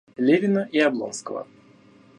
Левина и Облонского.